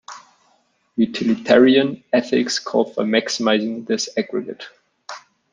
Utilitarian ethics call for maximizing this aggregate.